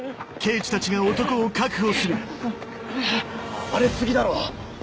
暴れ過ぎだろ。